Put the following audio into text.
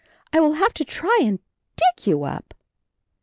I will have to try and dig you up."